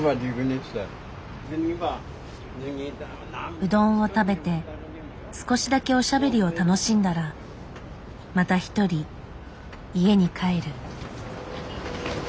うどんを食べて少しだけおしゃべりを楽しんだらまた一人家に帰る。